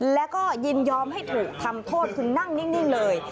แล้วก็ยินยอมให้ถูกทำโทษคือนั่งนิ่งเลย